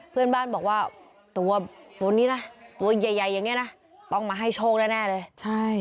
เพื่อนบ้านบอกว่าตัวนี้นะตัวใหญ่อย่างนี้นะต้องมาให้โชคแน่เลยใช่